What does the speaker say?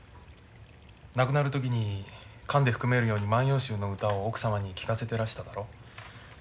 亡くなる時にかんで含めるように「万葉集」の歌を奥様に聞かせてらしただろ。